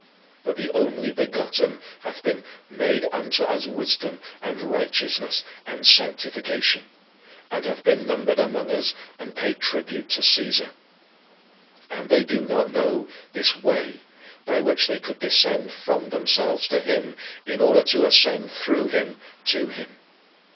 But the Only Begotten hath been "made unto us wisdom, and righteousness, and sanctification" and hath been numbered among us and paid tribute to Caesar. And they do not know this "Way" by which they could descend from themselves to him in order to ascend through him to him.